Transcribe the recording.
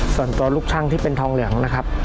ส่วนตัวลูกช่างที่เป็นทองเหลืองนะครับ